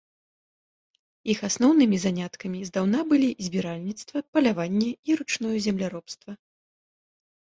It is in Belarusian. Іх асноўнымі заняткамі здаўна былі збіральніцтва, паляванне і ручное земляробства.